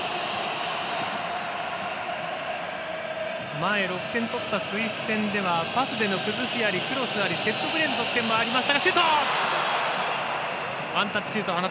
前、６点取ったスイス戦ではパスでの崩しあり、クロスありセットプレーでの得点もありました。